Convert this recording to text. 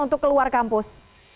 untuk keluar kampus